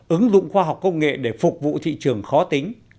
ứng dụng khoa học công nghệ để phục vụ thị trường khó tính